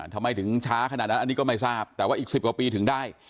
ทำไมถึงช้าขนาดนั้นอันนี้ก็ไม่ทราบแต่ว่าอีก๑๐กว่าปีถึงได้